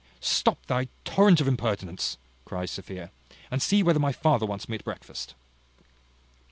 "Stop thy torrent of impertinence," cries Sophia, "and see whether my father wants me at breakfast."